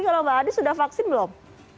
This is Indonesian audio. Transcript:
kalau mbak adi sudah vaksin belum